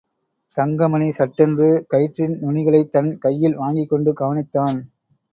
தங்கமணி சட்டென்று கயிற்றின் நுனிகளைத் தன் கையில் வாங்கிக கொண்டு கவனித்தான்.